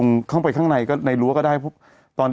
นเราไม่ได้บอกอะไรนะ